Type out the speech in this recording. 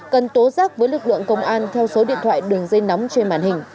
cần tố giác với lực lượng công an theo số điện thoại đường dây nóng trên màn hình